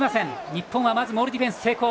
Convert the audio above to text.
日本はモールディフェンス成功。